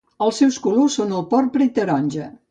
Els seus colors són el porpra i taronja.